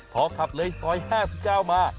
พอขับเลยซอย๕๙มา